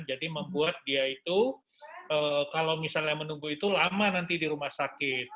jadi membuat dia itu kalau misalnya menunggu itu lama nanti di rumah sakit